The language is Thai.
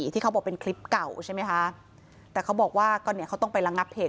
ที่เขาบอกเป็นคลิปเก่าใช่ไหมคะแต่เขาบอกว่าก็เนี่ยเขาต้องไประงับเหตุ